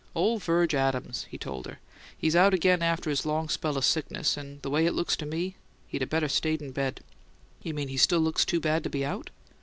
"Ole Virg Adams," he told her. "He's out again after his long spell of sickness, and the way it looks to me he'd better stayed in bed." "You mean he still looks too bad to be out?"